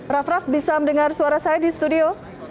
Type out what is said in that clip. rafraf bisa mendengar suara saya di studio